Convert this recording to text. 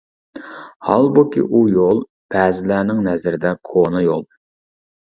ھالبۇكى ئۇ يول بەزىلەرنىڭ نەزىرىدە كونا يول!